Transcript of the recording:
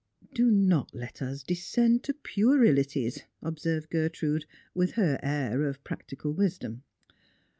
" Do not let us descend to pueriHties," observed Gertrude, with her air of practical wisdom.